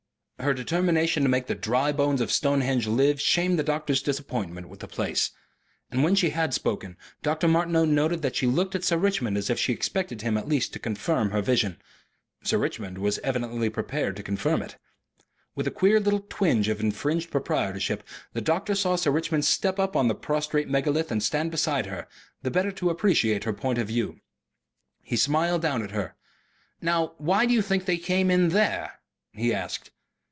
Her determination to make the dry bones of Stonehenge live shamed the doctor's disappointment with the place. And when she had spoken, Dr. Martineau noted that she looked at Sir Richmond as if she expected him at least to confirm her vision. Sir Richmond was evidently prepared to confirm it. With a queer little twinge of infringed proprietorship, the doctor saw Sir Richmond step up on the prostrate megalith and stand beside her, the better to appreciate her point of view. He smiled down at her. "Now why do you think they came in THERE?" he asked.